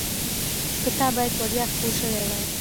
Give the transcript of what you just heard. کتاب باید وړیا خپور شوی وای.